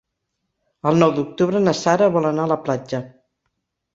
El nou d'octubre na Sara vol anar a la platja.